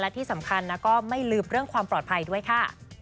ที่สำคัญนะก็ไม่ลืมเรื่องความปลอดภัยด้วยค่ะ